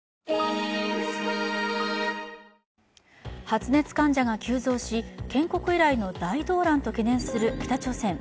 発熱患者が急増し建国以来の大動乱と懸念する北朝鮮。